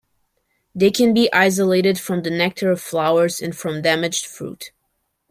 They can be isolated from the nectar of flowers and from damaged fruit.